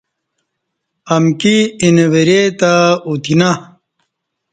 امکی اینہ ورے تہ اوتینہ